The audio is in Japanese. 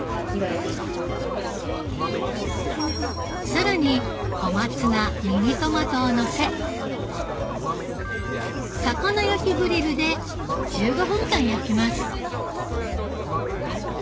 更に小松菜ミニトマトをのせ魚焼きグリルで１５分間焼きます。